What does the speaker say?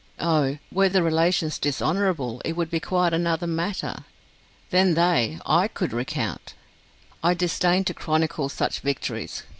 Oh! were the relations dishonourable, it would be quite another matter. Then they ... I could recount ... I disdain to chronicle such victories.